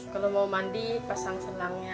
kalau mau mandi pasang selangnya